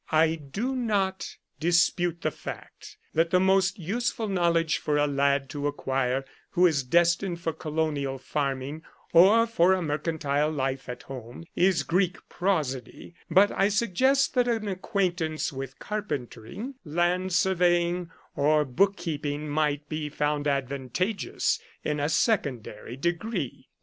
I do 124 ''Flagellum Salutis'' not dispute the fact that the most useful knowledge for a lad to acquire who is destined for colonial farming, or for a mercantile life at home, is Greek prosody ; but I suggest that an acquaintance with carpentering, land surveying, or book keeping might be found advantageous in a secondary degree.